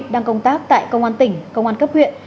đang công tác tại công an tỉnh công an cấp huyện